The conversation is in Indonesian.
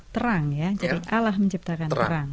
terang ya jadi allah menciptakan terang